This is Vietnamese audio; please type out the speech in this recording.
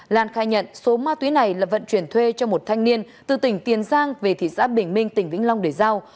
lan khai nhận số ma túy này là vận chuyển thuê cho một thanh niên từ tỉnh tiền giang về thị xã bình minh tỉnh vĩnh long để giao